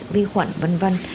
chín mươi chín vi khuẩn v v